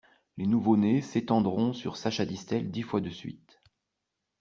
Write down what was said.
Les nouveau-nés s'étendront sur Sacha Distel dix fois de suite.